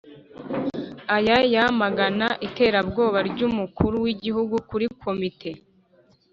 aya yamagana iterabwoba ry'umukuru w' i gihugu kuri komite»